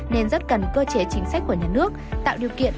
nên rất cần cơ chế chính sách của nhà nước tạo điều kiện